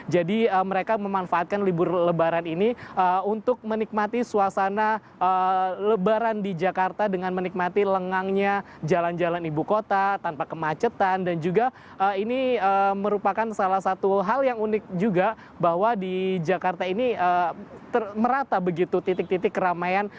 jadi mereka memanfaatkan libur lebaran ini untuk menikmati suasana lebaran di jakarta dengan menikmati lengangnya jalan jalan ibu kota tanpa kemacetan dan juga ini merupakan salah satu hal yang unik juga bahwa di jakarta ini merata begitu titik titik keramaian